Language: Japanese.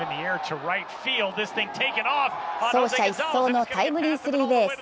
走者一掃のタイムリースリーベース。